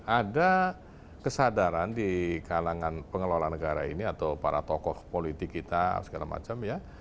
ada kesadaran di kalangan pengelola negara ini atau para tokoh politik kita segala macam ya